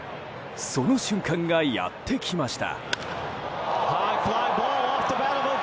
その瞬間がやってきました。